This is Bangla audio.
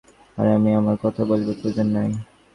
আর আমি– আমার কথাটা বলিবার প্রয়োজন নাই।